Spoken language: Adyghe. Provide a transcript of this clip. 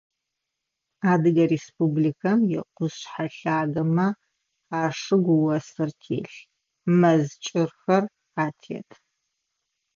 Адыгэ Республикэм икъушъхьэ лъагэмэ ашыгу осыр телъ, мэз кӏырхэр атет.